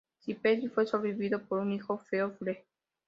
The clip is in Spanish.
Sir Percy fue sobrevivido por un hijo, Geoffrey.